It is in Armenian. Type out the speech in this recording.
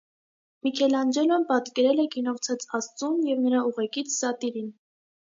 Միքելանջելոն պատկերել է գինովցած աստծուն և նրա ուղեկից սատիրին։